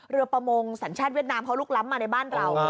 ประมงสัญชาติเวียดนามเขาลุกล้ำมาในบ้านเรา